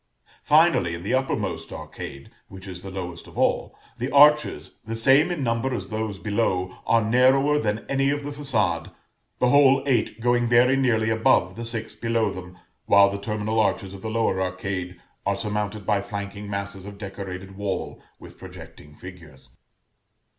Finally, in the uppermost arcade, which is the lowest of all, the arches, the same in number as those below, are narrower than any of the façade; the whole eight going very nearly above the six below them, while the terminal arches of the lower arcade are surmounted by flanking masses of decorated wall with projecting figures.